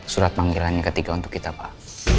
surat panggilannya ketiga untuk kita bahas